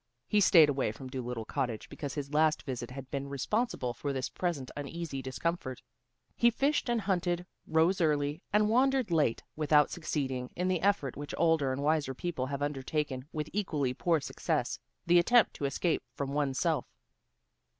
He stayed away from Dolittle Cottage because his last visit had been responsible for this present uneasy discomfort. He fished and hunted, rose early, and wandered late, without succeeding in the effort which older and wiser people have undertaken with equally poor success, the attempt to escape from one's self.